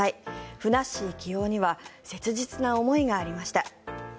ふなっしー起用には切実な思いがありました。